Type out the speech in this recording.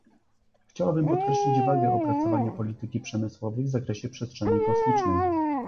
Chciałabym podkreślić wagę opracowania polityki przemysłowej w zakresie przestrzeni kosmicznej